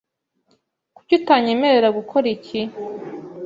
Kuki utanyemerera gukora iki?